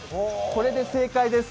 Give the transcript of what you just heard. これで正解です。